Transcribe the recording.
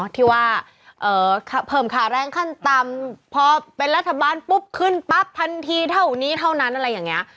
ที่ว่าเพิ่มค่าแรงขั้นต่ำพอเป็นรัฐบาลปุ๊บขึ้นปั๊บทันทีเท่านี้เท่านั้นอะไรอย่างนี้